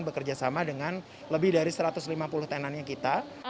bekerja sama dengan lebih dari satu ratus lima puluh tenannya kita